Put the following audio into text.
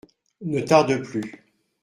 Ne tarde plus.